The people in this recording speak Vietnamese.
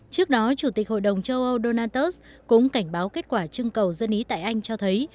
trước đó chủ tịch hội đồng châu âu donald trump cũng cảnh báo kết quả trưng cầu dân ý tại anh cho thấy